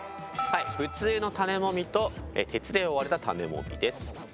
普通の種もみと鉄で覆われた種もみです。